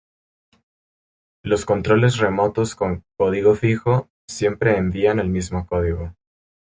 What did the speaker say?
Los controles remotos con "código fijo" siempre envían el mismo código.